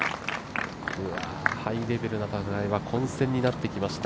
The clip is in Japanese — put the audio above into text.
ハイレベルな戦い、混戦になってきました。